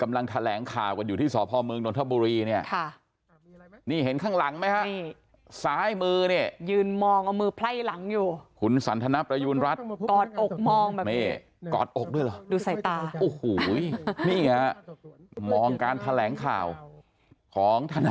มันจะเกิดประโยชน์ต่อการค้นหาความจริงอย่างไรนะ